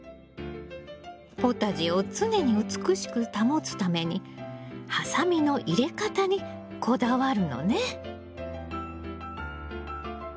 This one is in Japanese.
ポタジェを常に美しく保つためにハサミの入れ方にこだわるのね。